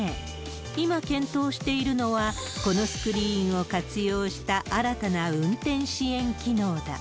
今検討しているのは、このスクリーンを活用した、新たな運転支援機能だ。